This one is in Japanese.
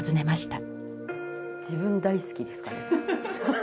自分大好きですから。